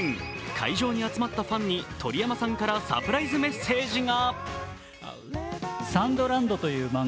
会場に集まったファンに鳥山さんからサプライズメッセージが。